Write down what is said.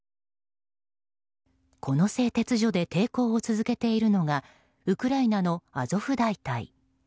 この製鉄所で抵抗を続けているのがウクライナのアゾフ大隊。